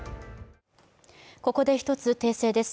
ここで１つ訂正です。